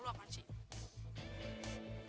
mau lo apa sih